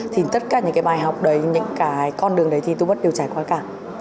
thì tất cả những cái bài học đấy những cái con đường đấy thì tôi vẫn đều trải qua cả